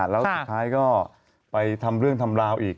แล้วสุดท้ายก็ไปทำเรื่องทำราวอีก